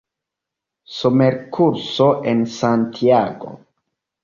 Somerkurso en Santiago.